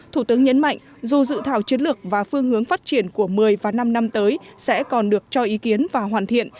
thủ tướng nhấn mạnh dù dự thảo chiến lược và phương hướng phát triển của một mươi và năm năm tới sẽ còn được cho ý kiến và hoàn thiện